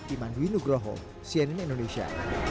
iman winugroho siena indonesia